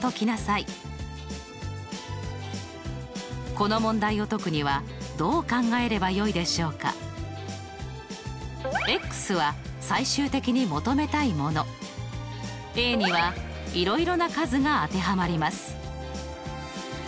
この問題を解くにはどう考えればよいでしょうか？は最終的に求めたいもの。にはいろいろな数が当てはまります。